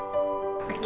ibu ini belahnya ibu